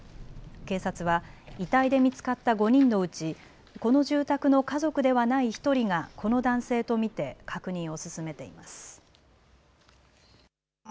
警察は遺体で見つかった５人のうち、この住宅の家族ではない１人がこの男性と見て確認を進めています。